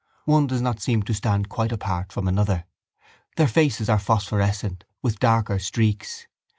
One does not seem to stand quite apart from another. Their faces are phosphorescent, with darker streaks.